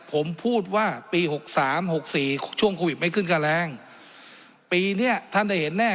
ผมพูดว่าปีหกสามหกสี่ช่วงโควิดไม่ขึ้นค่าแรงปีเนี้ยท่านได้เห็นแน่